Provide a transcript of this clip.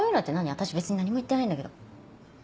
私別に何も言ってないんだけど。